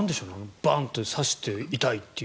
バンとさして痛いという。